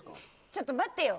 ちょっと待ってよ。